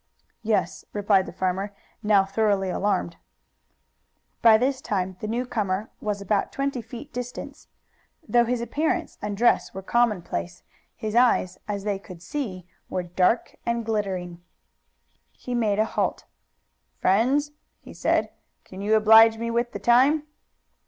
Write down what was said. "Yes," replied the farmer, now thoroughly alarmed. By this time the newcomer was but twenty feet distant. Though his appearance and dress were commonplace, his eyes, as they could see, were dark and glittering. He made a halt. "Friends," he said, "can you oblige me with the time?"